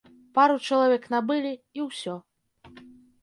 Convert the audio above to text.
Пару чалавек набылі, і ўсё.